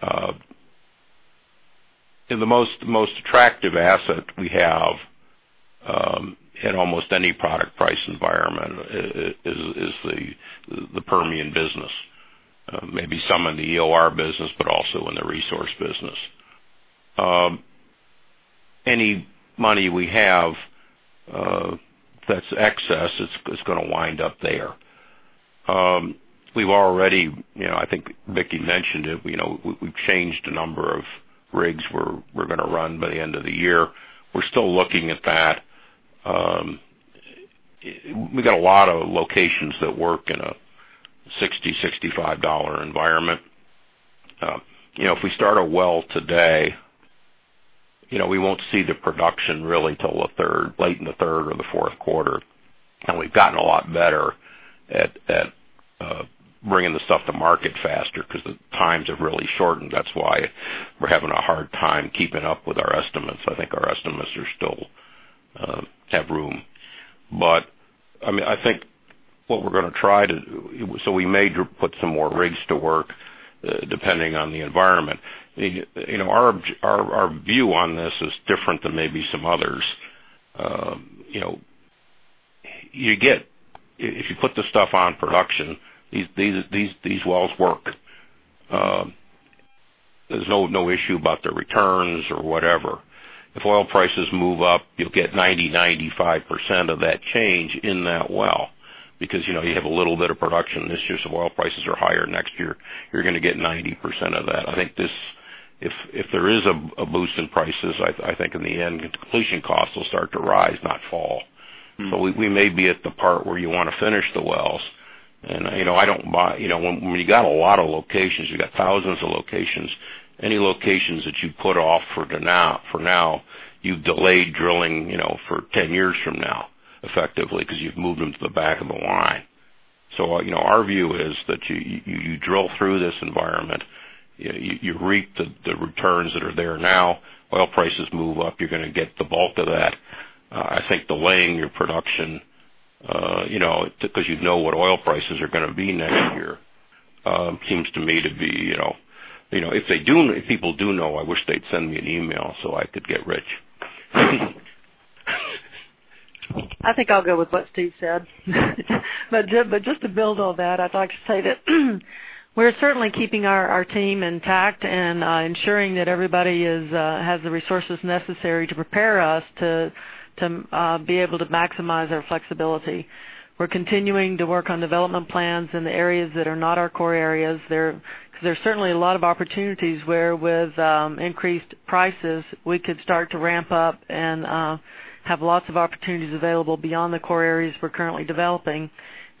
the most attractive asset we have in almost any product price environment is the Permian business. Maybe some in the EOR business, but also in the resource business. Any money we have that's excess, it's going to wind up there. We've already, I think Vicki mentioned it, we've changed a number of rigs we're going to run by the end of the year. We're still looking at that. We've got a lot of locations that work in a $60-$65 environment. If we start a well today, we won't see the production really till late in the third or the fourth quarter. We've gotten a lot better at bringing the stuff to market faster because the times have really shortened. That's why we're having a hard time keeping up with our estimates. I think our estimates still have room. We may put some more rigs to work depending on the environment. Our view on this is different than maybe some others. If you put the stuff on production, these wells work. There's no issue about the returns or whatever. If oil prices move up, you'll get 90%-95% of that change in that well, because you have a little bit of production issues. If oil prices are higher next year, you're going to get 90% of that. I think if there is a boost in prices, I think in the end, completion costs will start to rise, not fall. We may be at the part where you want to finish the wells, and when you've got a lot of locations, you've got thousands of locations, any locations that you put off for now, you've delayed drilling for 10 years from now, effectively, because you've moved them to the back of the line. Our view is that you drill through this environment, you reap the returns that are there now. Oil prices move up, you're going to get the bulk of that. I think delaying your production, because you'd know what oil prices are going to be next year, seems to me to be. If people do know, I wish they'd send me an email so I could get rich. I think I'll go with what Steve said. Just to build on that, I'd like to say that we're certainly keeping our team intact and ensuring that everybody has the resources necessary to prepare us to be able to maximize our flexibility. We're continuing to work on development plans in the areas that are not our core areas. There's certainly a lot of opportunities where with increased prices, we could start to ramp up and have lots of opportunities available beyond the core areas we're currently developing.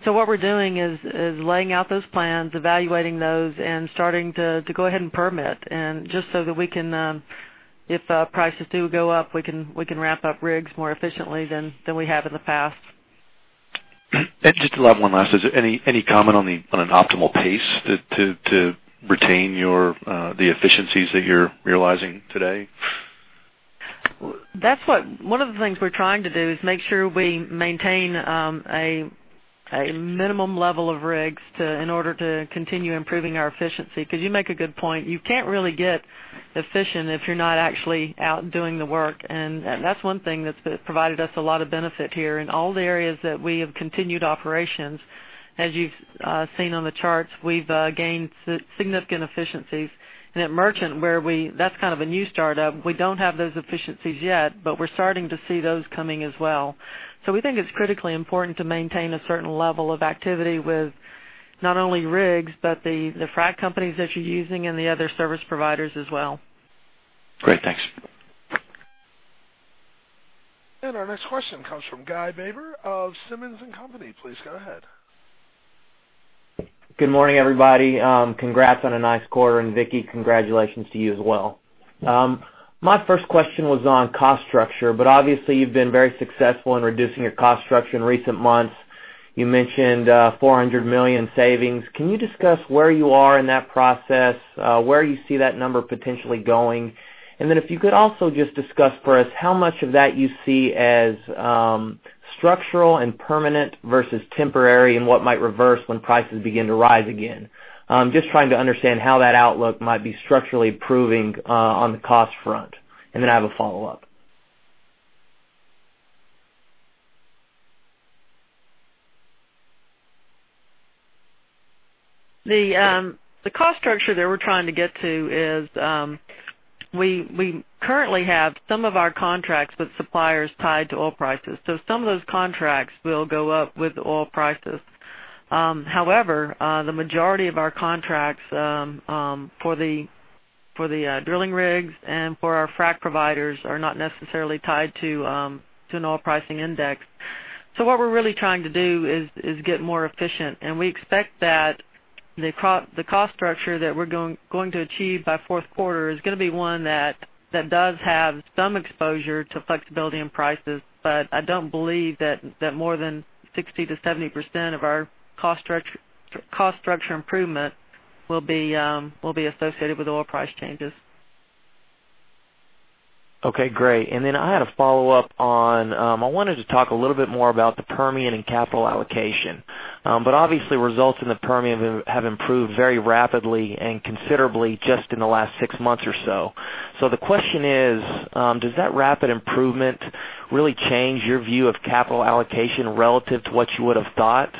What we're doing is laying out those plans, evaluating those, and starting to go ahead and permit. Just so that if prices do go up, we can ramp up rigs more efficiently than we have in the past. Just one last. Is there any comment on an optimal pace to retain the efficiencies that you're realizing today? One of the things we're trying to do is make sure we maintain a minimum level of rigs in order to continue improving our efficiency, because you make a good point. You can't really get efficient if you're not actually out doing the work, and that's one thing that's provided us a lot of benefit here. In all the areas that we have continued operations, as you've seen on the charts, we've gained significant efficiencies. At Merchant, that's kind of a new startup. We don't have those efficiencies yet, but we're starting to see those coming as well. We think it's critically important to maintain a certain level of activity with not only rigs, but the frack companies that you're using and the other service providers as well. Great. Thanks. Our next question comes from Guy Baber of Simmons & Company. Please go ahead. Good morning, everybody. Congrats on a nice quarter, and Vicki, congratulations to you as well. My first question was on cost structure, but obviously you've been very successful in reducing your cost structure in recent months. You mentioned $400 million savings. Can you discuss where you are in that process, where you see that number potentially going? If you could also just discuss for us how much of that you see as structural and permanent versus temporary, and what might reverse when prices begin to rise again. Just trying to understand how that outlook might be structurally proving on the cost front. I have a follow-up. The cost structure that we're trying to get to is, we currently have some of our contracts with suppliers tied to oil prices, so some of those contracts will go up with oil prices. However, the majority of our contracts for the drilling rigs and for our frack providers are not necessarily tied to an oil pricing index. What we're really trying to do is get more efficient, and we expect that the cost structure that we're going to achieve by fourth quarter is going to be one that does have some exposure to flexibility in prices. I don't believe that more than 60%-70% of our cost structure improvement will be associated with oil price changes. Okay, great. I had a follow-up. I wanted to talk a little bit more about the Permian and capital allocation. Obviously results in the Permian have improved very rapidly and considerably just in the last six months or so. The question is, does that rapid improvement really change your view of capital allocation relative to what you would have thought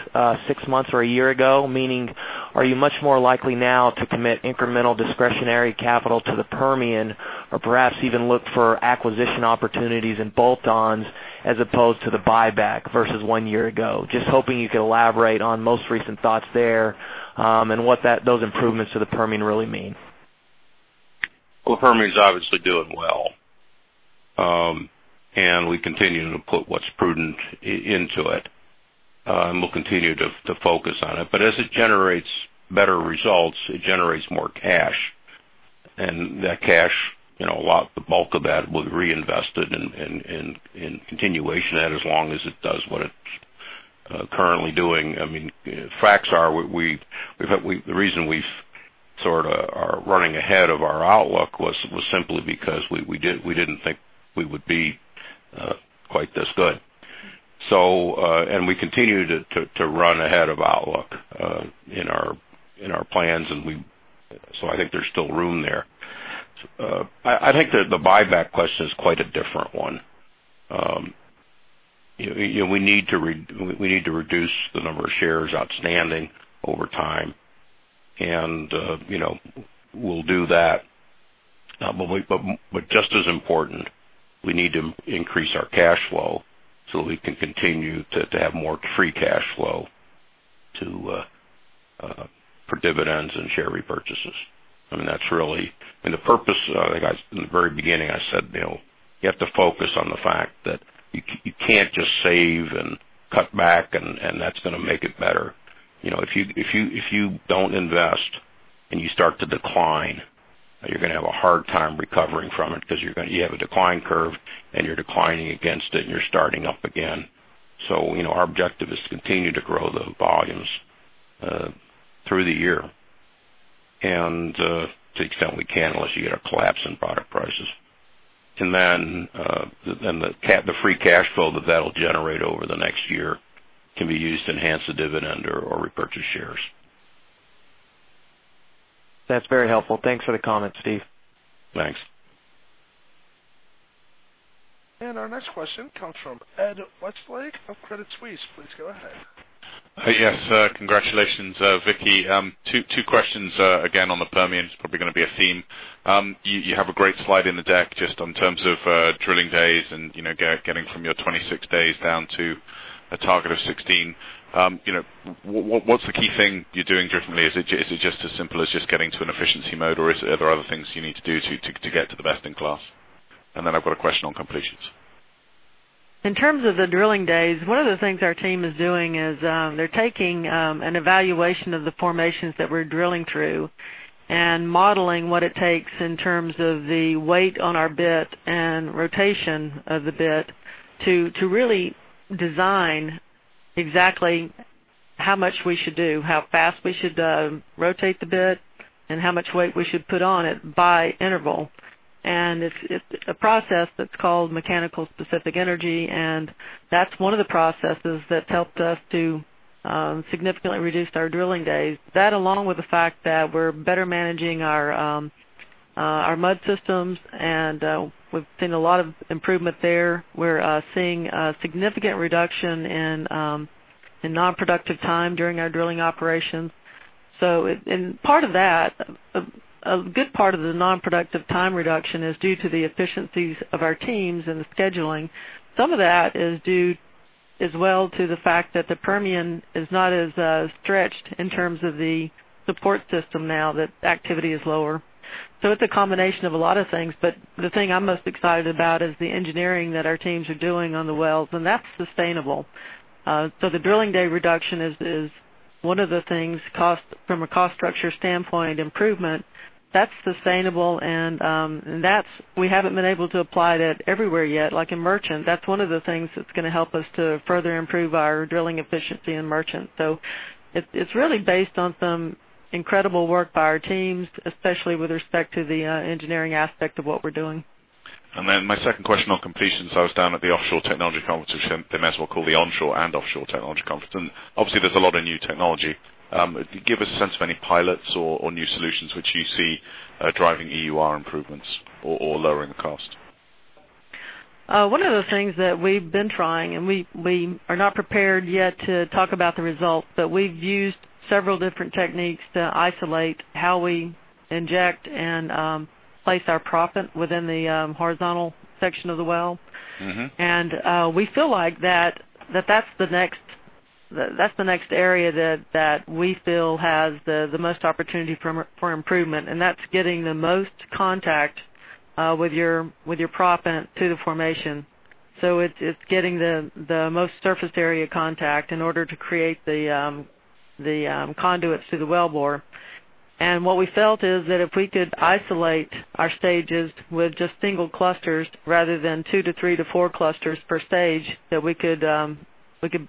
six months or a year ago? Meaning, are you much more likely now to commit incremental discretionary capital to the Permian or perhaps even look for acquisition opportunities and bolt-ons as opposed to the buyback versus one year ago? Just hoping you could elaborate on most recent thoughts there, and what those improvements to the Permian really mean. Well, the Permian's obviously doing well. We continue to put what's prudent into it. We'll continue to focus on it. As it generates better results, it generates more cash. That cash, the bulk of that will be reinvested in continuation as long as it does what it's currently doing. The facts are, the reason we sort of are running ahead of our outlook was simply because we didn't think we would be quite this good. We continue to run ahead of outlook in our plans, so I think there's still room there. I think the buyback question is quite a different one. We need to reduce the number of shares outstanding over time, and we'll do that. Just as important, we need to increase our cash flow so that we can continue to have more free cash flow for dividends and share repurchases. The purpose, in the very beginning I said, you have to focus on the fact that you can't just save and cut back, and that's going to make it better. If you don't invest and you start to decline, you're going to have a hard time recovering from it, because you have a decline curve and you're declining against it, and you're starting up again. Our objective is to continue to grow the volumes through the year, and to the extent we can, unless you get a collapse in product prices. Then the free cash flow that that'll generate over the next year can be used to enhance the dividend or repurchase shares. That's very helpful. Thanks for the comment, Steve. Thanks. Our next question comes from Ed Westlake of Credit Suisse. Please go ahead. Yes. Congratulations, Vicki. Two questions again on the Permian. It's probably going to be a theme. You have a great slide in the deck just in terms of drilling days and getting from your 26 days down to a target of 16. What's the key thing you're doing differently? Is it just as simple as just getting to an efficiency mode, or are there other things you need to do to get to the best in class? Then I've got a question on completions. In terms of the drilling days, one of the things our team is doing is, they're taking an evaluation of the formations that we're drilling through and modeling what it takes in terms of the weight on our bit and rotation of the bit to really design exactly how much we should do, how fast we should rotate the bit, and how much weight we should put on it by interval. It's a process that's called mechanical specific energy, that's one of the processes that's helped us to significantly reduce our drilling days. That, along with the fact that we're better managing our mud systems, we've seen a lot of improvement there. We're seeing a significant reduction in non-productive time during our drilling operations. A good part of the non-productive time reduction is due to the efficiencies of our teams and the scheduling. Some of that is due as well to the fact that the Permian is not as stretched in terms of the support system now that activity is lower. It's a combination of a lot of things, but the thing I'm most excited about is the engineering that our teams are doing on the wells, that's sustainable. The drilling day reduction is one of the things from a cost structure standpoint improvement, that's sustainable, we haven't been able to apply that everywhere yet. Like in Merchant, that's one of the things that's going to help us to further improve our drilling efficiency in Merchant. It's really based on some incredible work by our teams, especially with respect to the engineering aspect of what we're doing. Then my second question on completions, I was down at the Offshore Technology Conference, which they might as well call the onshore and Offshore Technology Conference, obviously there's a lot of new technology. Give us a sense of any pilots or new solutions which you see driving EUR improvements or lowering the cost. One of the things that we've been trying, and we are not prepared yet to talk about the results, but we've used several different techniques to isolate how we inject and place our proppant within the horizontal section of the well. We feel like that's the next area that we feel has the most opportunity for improvement, and that's getting the most contact with your proppant to the formation. It's getting the most surface area contact in order to create the conduits through the wellbore. What we felt is that if we could isolate our stages with just single clusters rather than 2 to 3 to 4 clusters per stage, that we could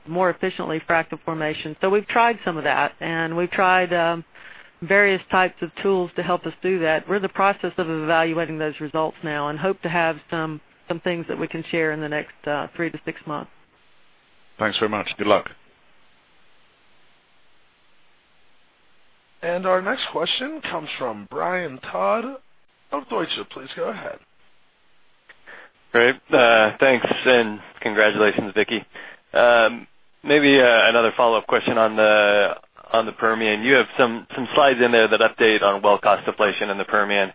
more efficiently frack the formation. We've tried some of that, and we've tried various types of tools to help us do that. We're in the process of evaluating those results now and hope to have some things that we can share in the next 3 to 6 months. Thanks very much. Good luck. Our next question comes from Brian Todd of Deutsche. Please go ahead. Great. Thanks, and congratulations, Vicki. Maybe another follow-up question on the Permian. You have some slides in there that update on well cost deflation in the Permian.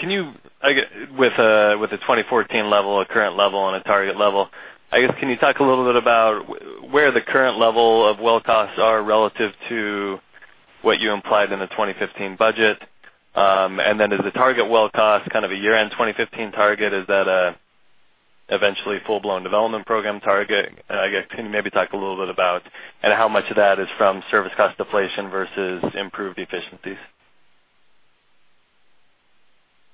With the 2014 level, a current level, and a target level, can you talk a little bit about where the current level of well costs are relative to what you implied in the 2015 budget? Is the target well cost a year-end 2015 target? Is that eventually full-blown development program target? Can you maybe talk a little bit about how much of that is from service cost deflation versus improved efficiencies?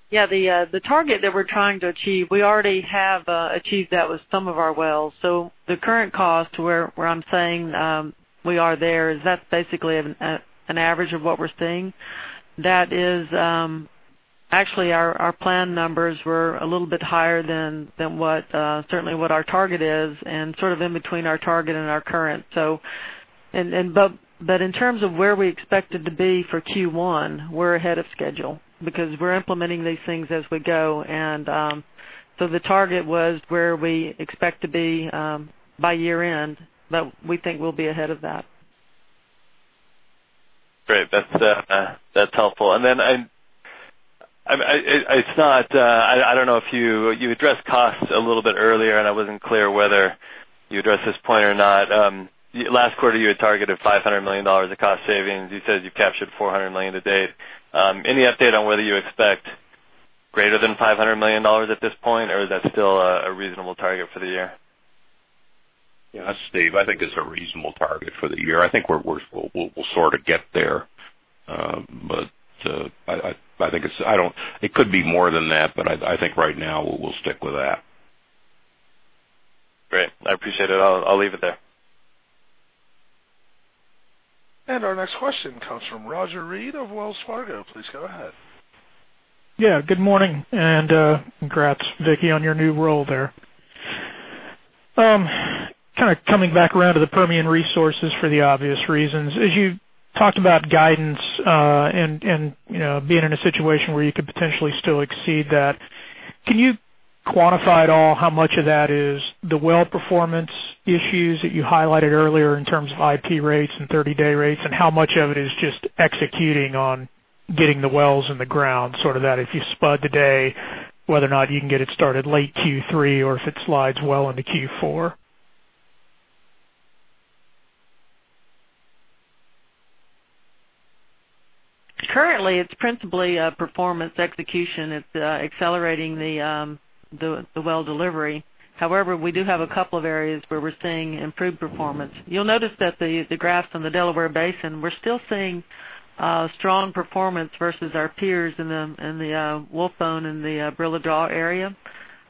Yeah. The target that we're trying to achieve, we already have achieved that with some of our wells. The current cost where I'm saying we are there, is that's basically an average of what we're seeing. That is, actually, our plan numbers were a little bit higher than certainly what our target is and sort of in between our target and our current. In terms of where we expected to be for Q1, we're ahead of schedule because we're implementing these things as we go. The target was where we expect to be by year-end, but we think we'll be ahead of that. Great. That's helpful. You addressed costs a little bit earlier, and I wasn't clear whether you addressed this point or not. Last quarter, you had targeted $500 million of cost savings. You said you captured $400 million to date. Any update on whether you expect greater than $500 million at this point, or is that still a reasonable target for the year? Yeah. Steve, I think it's a reasonable target for the year. I think we'll sort of get there. It could be more than that, I think right now, we'll stick with that. Great. I appreciate it. I'll leave it there. Our next question comes from Roger Read of Wells Fargo. Please go ahead. Yeah. Good morning, and congrats, Vicki, on your new role there. Kind of coming back around to the Permian Resources for the obvious reasons. As you talked about guidance, and being in a situation where you could potentially still exceed that, can you quantify at all how much of that is the well performance issues that you highlighted earlier in terms of IP rates and 30-day rates, and how much of it is just executing on getting the wells in the ground, sort of that if you spud today, whether or not you can get it started late Q3 or if it slides well into Q4? Currently, it's principally a performance execution. It's accelerating the well delivery. However, we do have a couple of areas where we're seeing improved performance. You'll notice that the graphs on the Delaware Basin, we're still seeing strong performance versus our peers in the Wolfbone and the Barilla Draw area.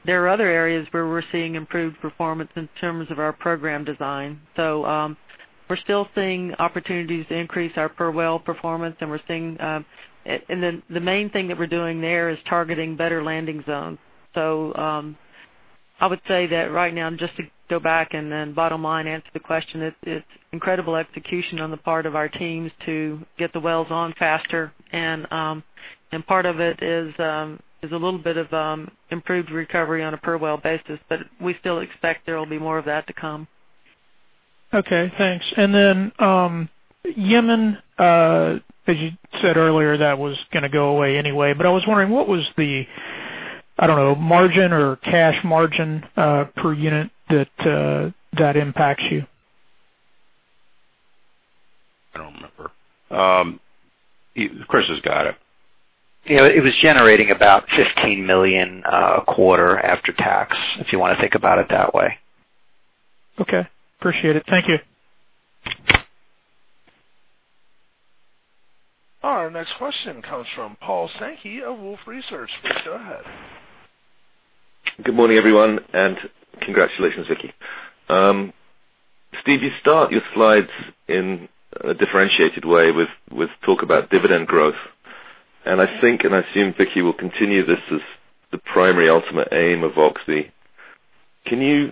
There are other areas where we're seeing improved performance in terms of our program design. We're still seeing opportunities to increase our per well performance, and the main thing that we're doing there is targeting better landing zones. I would say that right now, just to go back and then bottom line answer the question, it's incredible execution on the part of our teams to get the wells on faster. Part of it is a little bit of improved recovery on a per well basis, but we still expect there will be more of that to come Okay, thanks. Yemen, as you said earlier, that was going to go away anyway, I was wondering what was the margin or cash margin per unit that impacts you? I don't remember. Chris has got it. It was generating about $15 million a quarter after tax, if you want to think about it that way. Okay, appreciate it. Thank you. Our next question comes from Paul Sankey of Wolfe Research. Please go ahead. Good morning, everyone, congratulations, Vicki. Steve, you start your slides in a differentiated way with talk about dividend growth. I think, I assume Vicki will continue this as the primary ultimate aim of Oxy. Can you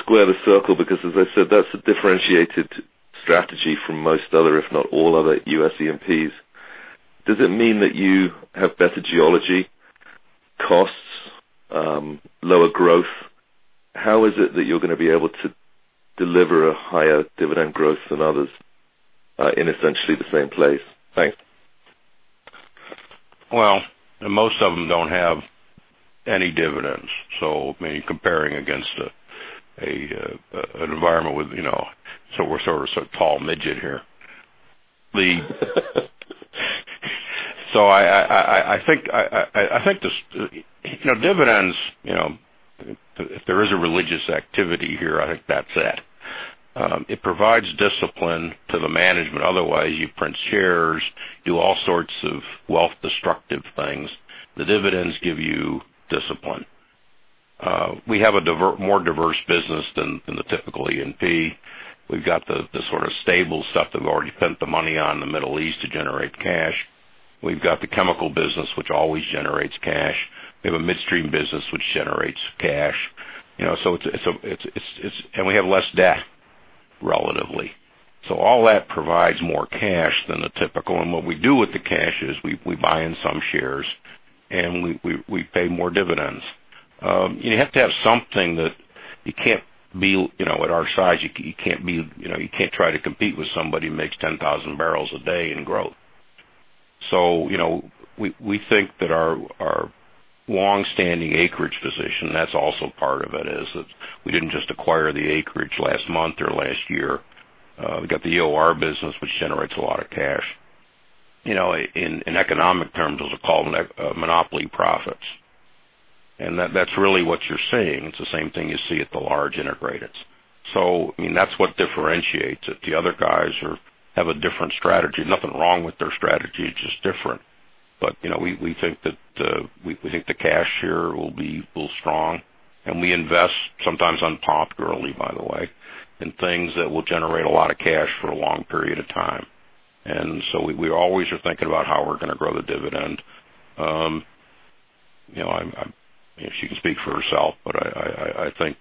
square the circle? As I said, that's a differentiated strategy from most other, if not all other, U.S. E&Ps. Does it mean that you have better geology, costs, lower growth? How is it that you're going to be able to deliver a higher dividend growth than others in essentially the same place? Thanks. Well, most of them don't have any dividends. Comparing against an environment with, we're sort of tall midget here. Dividends, if there is a religious activity here, I think that's it. It provides discipline to the management. Otherwise, you print shares, do all sorts of wealth destructive things. The dividends give you discipline. We have a more diverse business than the typical E&P. We've got the stable stuff that we've already spent the money on in the Middle East to generate cash. We've got the chemical business, which always generates cash. We have a midstream business which generates cash. We have less debt, relatively. All that provides more cash than the typical, and what we do with the cash is we buy in some shares and we pay more dividends. You have to have something that, at our size, you can't try to compete with somebody who makes 10,000 barrels a day in growth. We think that our longstanding acreage position, that's also part of it, is that we didn't just acquire the acreage last month or last year. We got the EOR business, which generates a lot of cash. In economic terms, those are called monopoly profits, and that's really what you're seeing. It's the same thing you see at the large integrated. That's what differentiates it. The other guys have a different strategy. Nothing wrong with their strategy, it's just different. We think the cash here will be strong, and we invest sometimes unpopularly, by the way, in things that will generate a lot of cash for a long period of time. We always are thinking about how we're going to grow the dividend. She can speak for herself, but I think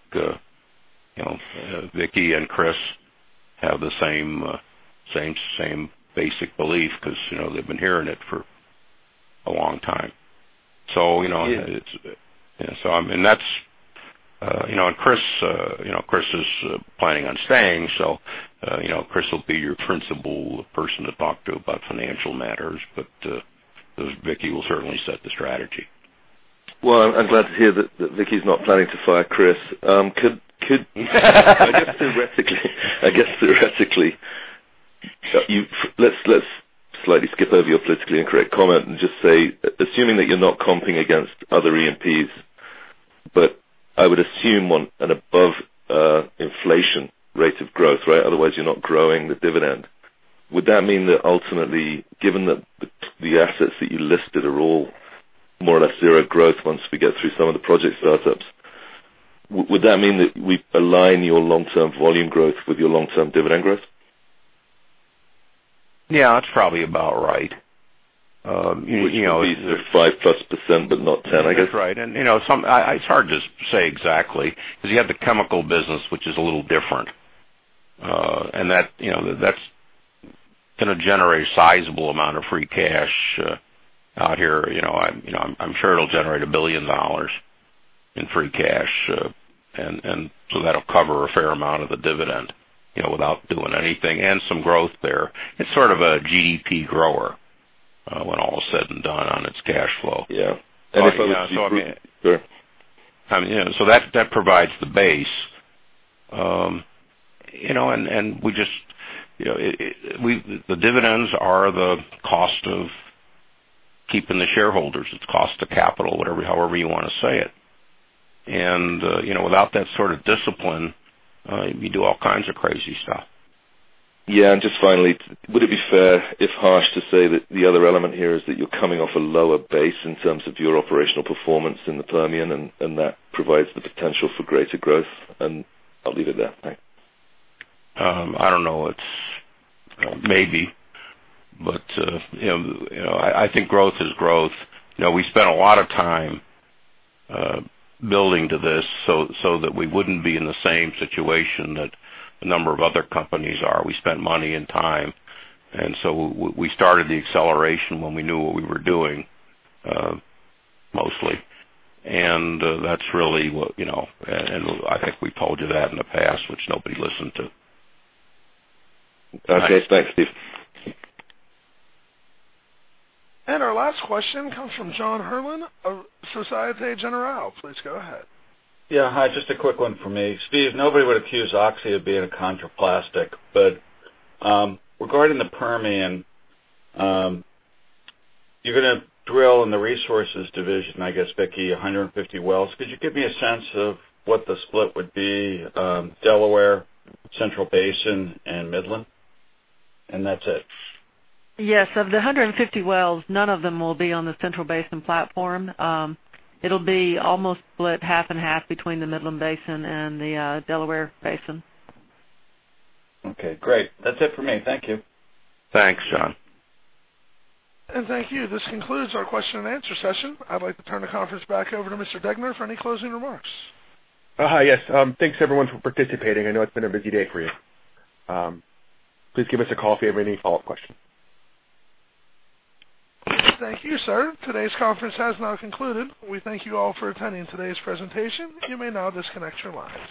Vicki and Chris have the same basic belief because they've been hearing it for a long time. Yeah. Chris is planning on staying, so Chris will be your principal person to talk to about financial matters. Vicki will certainly set the strategy. Well, I'm glad to hear that Vicki's not planning to fire Chris. I guess, theoretically, let's slightly skip over your politically incorrect comment and just say, assuming that you're not comping against other E&Ps, I would assume an above inflation rate of growth, right? Otherwise, you're not growing the dividend. Would that mean that ultimately, given that the assets that you listed are all more or less zero growth once we get through some of the project startups, would that mean that we align your long-term volume growth with your long-term dividend growth? Yeah, that's probably about right. Would it be five plus %, but not 10, I guess? That's right. It's hard to say exactly, because you have the chemical business, which is a little different. That's going to generate a sizable amount of free cash out here. I'm sure it'll generate $1 billion in free cash. That'll cover a fair amount of the dividend without doing anything, and some growth there. It's sort of a GDP grower, when all is said and done, on its cash flow. Yeah. That provides the base. The dividends are the cost of keeping the shareholders. It's cost of capital, however you want to say it. Without that sort of discipline, you do all kinds of crazy stuff. Yeah. Just finally, would it be fair, if harsh, to say that the other element here is that you're coming off a lower base in terms of your operational performance in the Permian, that provides the potential for greater growth? I'll leave it there. Thanks. I don't know. Maybe. I think growth is growth. We spent a lot of time building to this so that we wouldn't be in the same situation that a number of other companies are. We spent money and time, and so we started the acceleration when we knew what we were doing, mostly. I think we've told you that in the past, which nobody listened to. Okay. Thanks, Steve. Our last question comes from John Herrlin of Societe Generale. Please go ahead. Yeah. Hi, just a quick one from me. Steve, nobody would accuse Oxy of being a contrarian, regarding the Permian, you're going to drill in the resources division, I guess, Vicki, 150 wells. Could you give me a sense of what the split would be? Delaware, Central Basin, and Midland? That's it. Yes. Of the 150 wells, none of them will be on the Central Basin platform. It'll be almost split half and half between the Midland Basin and the Delaware Basin. Okay, great. That's it for me. Thank you. Thanks, John. Thank you. This concludes our question and answer session. I'd like to turn the conference back over to Mr. Degner for any closing remarks. Yes. Thanks everyone for participating. I know it's been a busy day for you. Please give us a call if you have any follow-up questions. Thank you, sir. Today's conference has now concluded. We thank you all for attending today's presentation. You may now disconnect your lines.